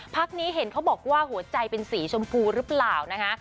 นี้เห็นเขาบอกว่าหัวใจเป็นสีชมพูหรือเปล่านะคะ